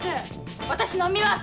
私飲みます！